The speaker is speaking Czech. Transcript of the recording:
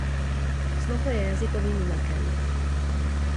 Slovo je jazykovým znakem.